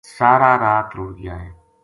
سارا رات رُڑھ گیا ہے‘ ‘